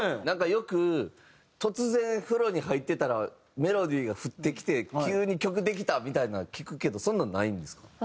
なんかよく突然風呂に入ってたらメロディーが降ってきて急に曲できたみたいなの聞くけどそんなんないんですか？